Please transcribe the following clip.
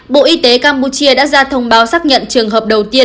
bộ y tế campuchia đã ra thông báo xác nhận trường hợp đầu tiên